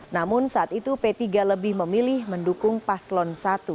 namun saat itu p tiga lebih memilih mendukung paslon satu